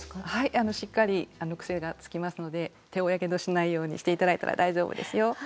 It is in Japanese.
しっかり癖がつきますので手をやけどしないようにして頂いたら大丈夫ですよ。